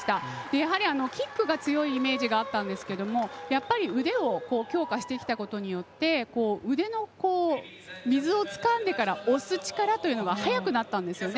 やはりキックが強いイメージがあったんですけど腕を強化してきたことによって腕の水をつかんでから押す力というのが速くなったんですよね。